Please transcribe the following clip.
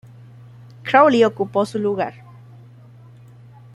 Crowley ocupó su lugar.